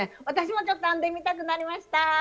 私もちょっと編んでみたくなりました。